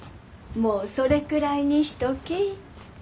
もうそれくらいにしとき。